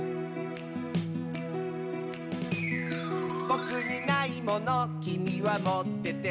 「ぼくにないものきみはもってて」